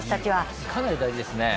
かなり大事ですね。